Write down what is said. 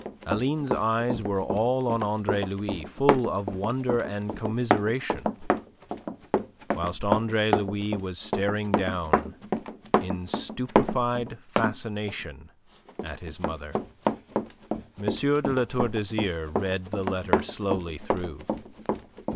Aline's eyes were all on Andre Louis, full of wonder and commiseration, whilst Andre Louis was staring down, in stupefied fascination, at his mother. M. de La Tour d'Azyr read the letter slowly through.